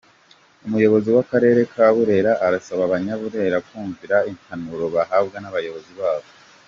Umuyobozi w’akarere ka Burera arasaba Abanyaburera kumvira impanuro bahabwa n’abayobozi babo.